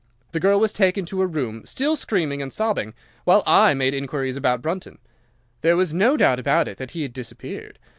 The girl was taken to her room, still screaming and sobbing, while I made inquiries about Brunton. There was no doubt about it that he had disappeared.